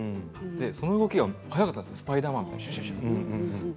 その動きが速かったんですスパイダーマンみたいで。